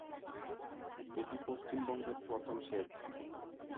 এটি পশ্চিমবঙ্গের প্রথম সেজ।